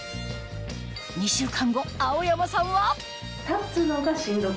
２週間後青山さんは？